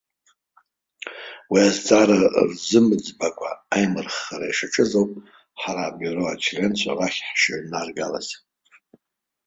Уи азҵаара рзымыӡбакәа аимырххара ишаҿыз ауп, ҳарҭ абиуро ачленцәа уахь ҳшыҩнаргалаз.